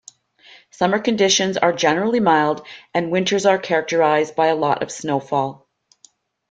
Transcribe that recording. Summer conditions are generally mild and winters are characterized by a lot of snowfall.